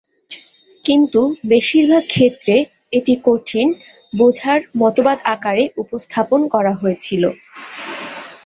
কিন্তু, বেশিরভাগ ক্ষেত্রে, এটি কঠিন-বোঝার মতবাদ আকারে উপস্থাপন করা হয়েছিল।